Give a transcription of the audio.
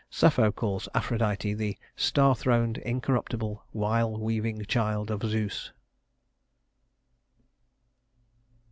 Sapho calls Aphrodite the "star throned, incorruptible, wile weaving child of Zeus."